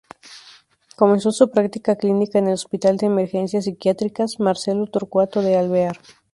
Comenzó su práctica clínica en el Hospital de Emergencias Psiquiátricas Marcelo Torcuato de Alvear.